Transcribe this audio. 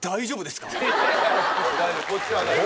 大丈夫こっちは大丈夫。